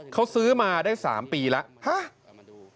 เขาซื้อมาได้๓ปีแล้ว